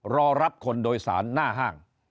รอรับคนโดยสารหน้าห้าง